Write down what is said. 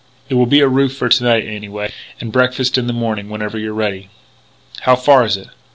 It will be a roof for to night, anyway, and breakfast in the morning, whenever you're ready." "How far is it?"